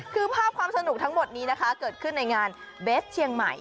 คือภาพความสนุกทั้งหมดนี้นะคะเกิดขึ้นในงานเบสเชียงใหม่